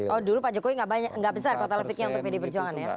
oh dulu pak jokowi nggak besar kotel efeknya untuk pd perjuangan ya